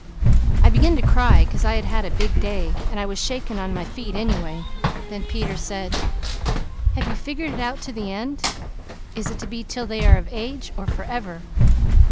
I began to cry, 'cause I had had a big day, and I was shaking on my feet anyway. Then Peter said, 'Have you figured it out to the end? Is it to be 'til they are of age, or forever?'